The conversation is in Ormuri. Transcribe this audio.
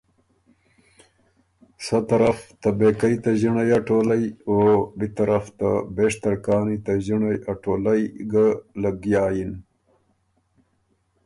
سۀ طرف ته بېکئ ته ݫِنړئ ا ټولئ او بی طرف ته بېشترکانی ته ݫِنړئ ا ټولئ ګۀ لګیا یِن